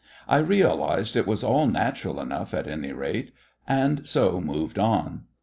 I realised it was all natural enough, at any rate and so moved on.